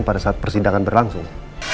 pada saat persidangan berlangsung